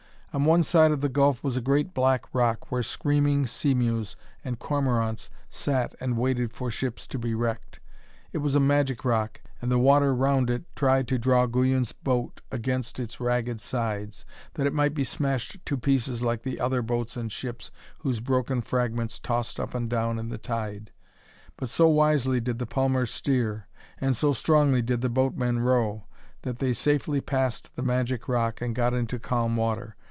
On one side of the gulf was a great black rock where screaming seamews and cormorants sat and waited for ships to be wrecked. It was a magic rock, and the water round it tried to draw Guyon's boat against its ragged sides, that it might be smashed to pieces like the other boats and ships whose broken fragments tossed up and down in the tide. But so wisely did the palmer steer, and so strongly did the boatman row, that they safely passed the magic rock and got into calm water.